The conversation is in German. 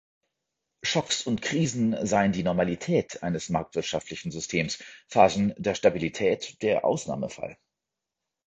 Schocks und Krisen seien die Normalität eines marktwirtschaftlichen Systems, Phasen der Stabilität der Ausnahmefall.